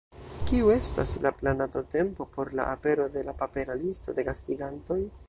Kiu estas la planata tempo por la apero de la papera listo de gastigantoj?